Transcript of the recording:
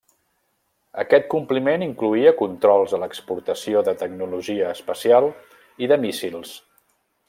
Aquest compliment incloïa controls a l'exportació de tecnologia espacial i de míssils.